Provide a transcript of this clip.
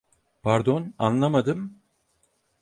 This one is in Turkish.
Pardon, anlamadım?